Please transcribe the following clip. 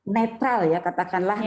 netral ya katakanlah